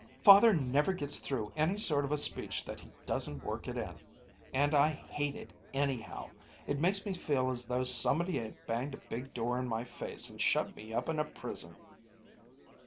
"Father never gets through any sort of a speech that he doesn't work it in and I hate it, anyhow! It makes me feel as though somebody had banged a big door in my face and shut me up in prison."